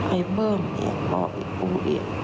ไอ้เบิร์นเนี่ยรออีกอู๋เนี่ย